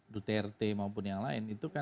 duterte maupun yang lain